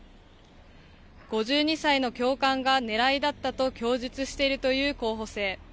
５２歳の教官が狙いだったと供述しているという候補生。